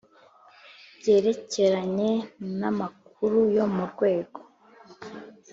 byerekeranye n amakuru yo mu rwego.